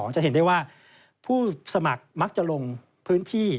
จะเห็นได้ว่าผู้สมัครมักจะลงพื้นที่